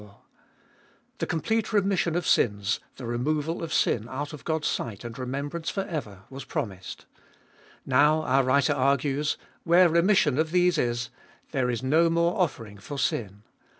The complete remission of sins, the removal of sin out of God's sight and remembrance for ever, was promised. Now, our writer argues, where remission of these is, there is no more Cbe l>olfest of an 349 offering for sin.